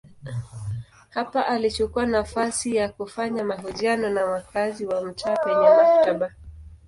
Hapa alichukua nafasi ya kufanya mahojiano na wakazi wa mtaa penye maktaba.